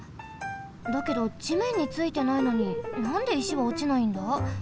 だけどじめんについてないのになんで石はおちないんだ？